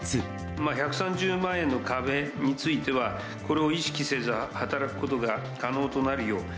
１３０万円の壁については、これを意識せず、働くことが可能となるよう。